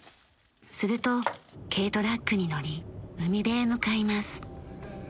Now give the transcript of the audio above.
すると軽トラックに乗り海辺へ向かいます。